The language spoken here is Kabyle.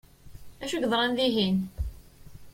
D acu i yeḍṛan dihin?